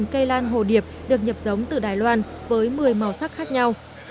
một cây lan hồ điệp được nhập giống từ đài loan với một mươi màu sắc khác nhau